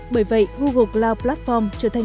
bởi vậy google cloud platform trở thành